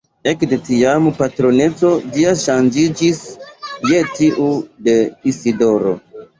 Ekde tiam patroneco ĝia ŝanĝiĝis je tiu de Isidoro.